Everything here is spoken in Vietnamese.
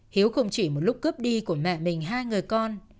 hiếu không chỉ một lúc cướp đi của mẹ mình hai người con